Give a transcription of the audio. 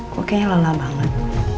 kok kayaknya lelah banget